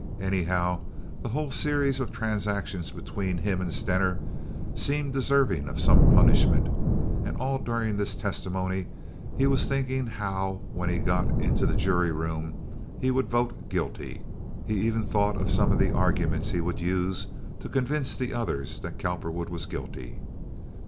Anyhow, the whole series of transactions between him and Stener seemed deserving of some punishment, and all during this testimony he was thinking how, when he got in the jury room, he would vote guilty. He even thought of some of the arguments he would use to convince the others that Cowperwood was guilty.